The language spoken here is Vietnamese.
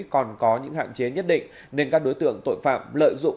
còn có những hạn chế nhất định nên các đối tượng tội phạm lợi dụng